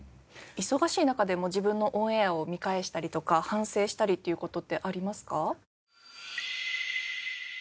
忙しい中でも自分のオンエアを見返したりとか反省したりっていう事ってありますか？